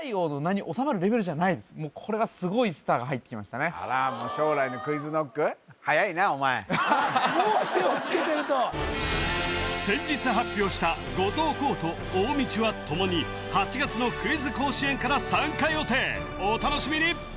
もうこれはあらもう早いなお前もう手をつけてると先日発表した後藤弘と大道はともに８月の「クイズ甲子園」から参加予定お楽しみに！